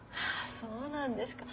そうなんですか。